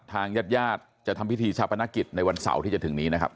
ทางญาติญาติจะทำพิธีชาปนกิจในวันเสาร์ที่จะถึงนี้นะครับ